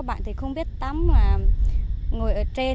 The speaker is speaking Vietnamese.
có bạn thì không biết tắm mà ngồi ở trên